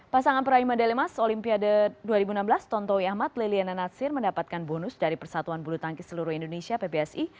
pasangan peraih madailemas olimpiade dua ribu enam belas tonto wiyahmat liliana natsir mendapatkan bonus dari persatuan bulutangkis seluruh indonesia pbsi